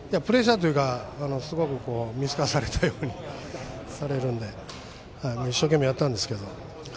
プレッシャーというかすごく見透かされたようにされるんで一生懸命やったんですけど。